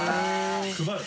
配る？